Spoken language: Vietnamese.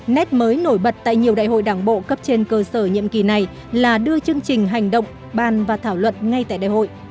nét mới nổi bật tại nhiều đại hội đảng bộ cấp trên cơ sở nhiệm kỳ này là đưa chương trình hành động ban và thảo luận ngay tại đại hội